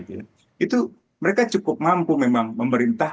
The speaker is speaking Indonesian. itu mereka cukup mampu memang memerintah